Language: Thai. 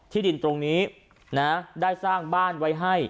ดินตรงนี้นะได้สร้างบ้านไว้ให้